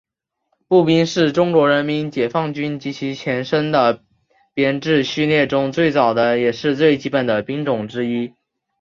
步兵是中国人民解放军及其前身的编制序列中最早的也是最基本的兵种之一。